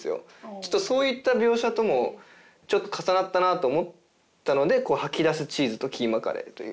ちょっとそういった描写ともちょっと重なったなと思ったので「吐き出すチーズとキーマカレー」という。